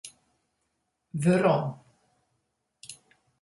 Werom.